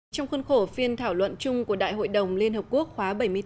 trong khuôn khổ phiên thảo luận chung của đại hội đồng liên hợp quốc khóa bảy mươi bốn